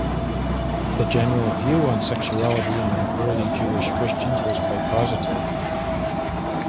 The general view on sexuality among the early Jewish Christians was quite positive.